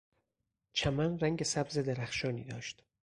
چمن رنگ سبز درخشانی داشت.